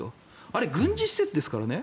あれは軍事施設ですからね。